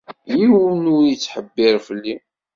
Yiwen ur ittḥebbiṛ fell-i.